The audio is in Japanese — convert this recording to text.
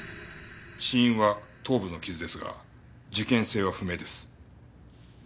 死因は頭部の傷ですが事件性は不明です。